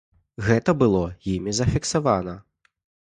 Гэта было імі зафіксавана.